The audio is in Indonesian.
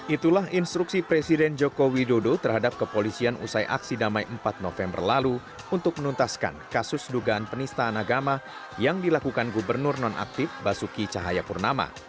itulah instruksi presiden joko widodo terhadap kepolisian usai aksi damai empat november lalu untuk menuntaskan kasus dugaan penistaan agama yang dilakukan gubernur nonaktif basuki cahayapurnama